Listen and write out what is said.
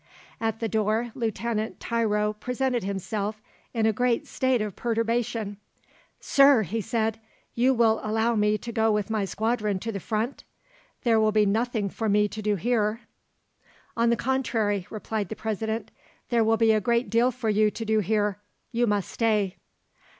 At the door Lieutenant Tiro presented himself, in a great state of perturbation. "Sir," he said, "you will allow me to go with my squadron to the front? There will be nothing for me to do here." "On the contrary," replied the President, "there will be a great deal for you to do here. You must stay."